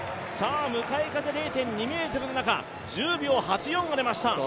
向かい風０．２メートルの中１０秒８４が出ました。